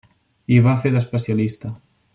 Hi va fer d'especialista.